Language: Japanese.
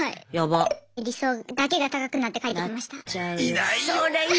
いないよ。